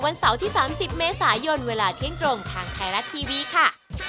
เสาร์ที่๓๐เมษายนเวลาเที่ยงตรงทางไทยรัฐทีวีค่ะ